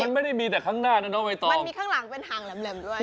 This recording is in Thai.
มันไม่ได้มีแต่ข้างหน้านะน้องใบตองมันมีข้างหลังเป็นห่างแหลมด้วย